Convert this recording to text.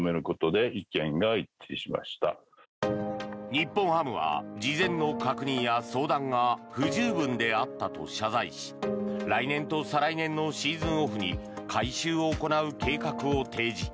日本ハムは事前の確認や相談が不十分であったと謝罪し来年と再来年のシーズンオフに改修を行う計画を提示。